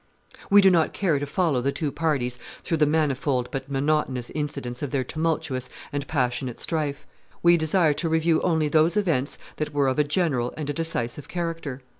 We do not care to follow the two parties through the manifold but monotonous incidents of their tumultuous and passionate strife; we desire to review only those events that were of a general and a decisive character.